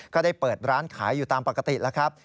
ก็ได้เปิดร้านขายอยู่ตามปกติแล้วครับ